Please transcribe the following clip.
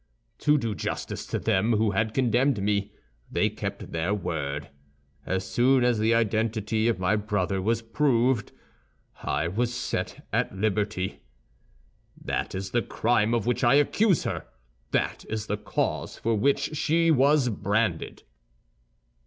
"To do justice to them who had condemned me, they kept their word. As soon as the identity of my brother was proved, I was set at liberty. "That is the crime of which I accuse her; that is the cause for which she was branded."